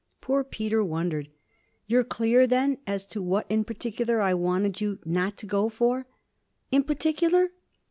Poor Peter wondered. 'You're clear then as to what in particular I wanted you not to go for?' 'In particular?'